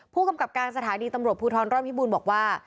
ผู้กำกับการสถานีตำรวจภูทรร่อนพิบูรณ์บอกว่า